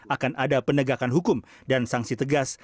akan ada penegakan hukum dan sanksi tegas